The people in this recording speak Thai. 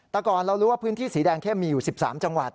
แต่ก่อนเรารู้ว่าพื้นที่สีแดงเข้มมีอยู่๑๓จังหวัด